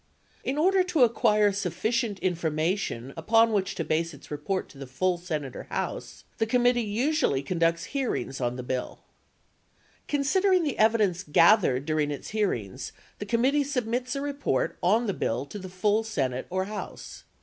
In order to acquire sufficient information upon Which to base its report to the full Senate or House, the committee usually conducts hearings on the bill. Considering the evidence gathered during its hearings, the com mittee submits a report on the bill to the full Senate or House.